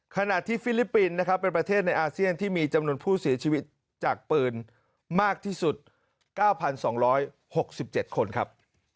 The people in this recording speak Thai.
ขณะที่ฟิลิปปินส์นะครับเป็นประเทศในอาเซียนที่มีจำนวนผู้เสียชีวิตจากปืนมากที่สุด๙๒๖๗คนครับ